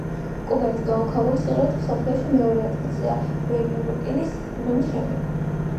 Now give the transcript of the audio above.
კრუბერის გამოქვაბული სიღრმით მსოფლიოში მეორე ადგილზეა ვერიოვკინის მღვიმის შემდეგ.